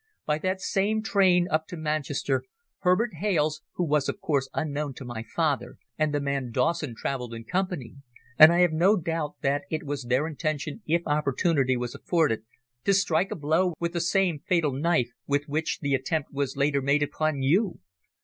By that same train up to Manchester, Herbert Hales who was, of course, unknown to my father and the man Dawson travelled in company, and I have no doubt that it was their intention if opportunity was afforded, to strike a blow with the same fatal knife with which the attempt was later made upon you.